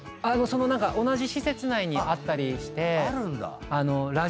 その同じ施設内にあったりして。